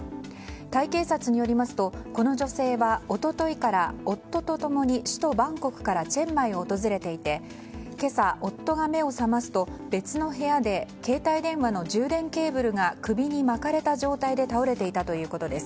タイ警察によりますとこの女性は一昨日から夫と共に首都バンコクからチェンマイを訪れていて今朝、夫が目を覚ますと別の部屋で携帯電話の充電ケーブルが首に巻かれた状態で倒れていたということです。